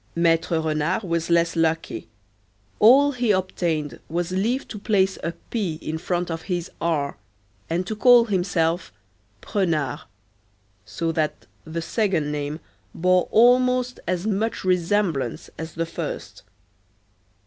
Maître Renard was less lucky; all he obtained was leave to place a P in front of his R, and to call himself Prenard; so that the second name bore almost as much resemblance as the first.